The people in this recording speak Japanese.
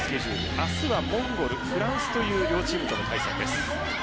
明日はモンゴル、フランスという両チームとの対戦です。